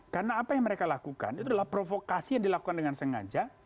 karena apa yang mereka lakukan itu adalah provokasi yang dilakukan dengan sengaja